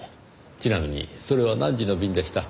ちなみにそれは何時の便でした？